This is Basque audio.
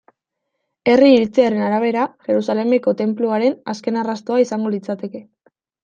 Herri iritziaren arabera, Jerusalemeko Tenpluaren azken arrastoa izango litzateke.